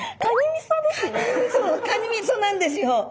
みそなんですよ。